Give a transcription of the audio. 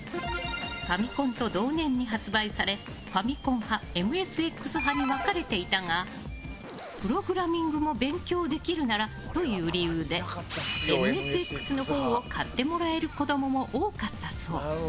ファミコンと同年に発売されファミコン派ＭＳＸ派に分かれていたがプログラミングも勉強できるならという理由でＭＳＸのほうを買ってもらえる子供も多かったそう。